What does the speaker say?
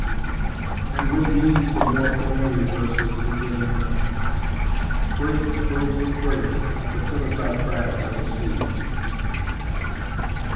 And with these the more familiar verses beginning: "Break, break, break, At the foot of thy crags, O Sea."